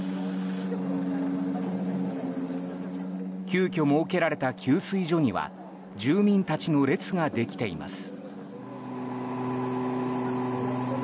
急きょ設けられた給水所には住民たちの列ができています。